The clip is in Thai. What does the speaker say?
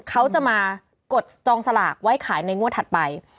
เขาจะมากดจองสลากไว้ขายในงวดถัดไป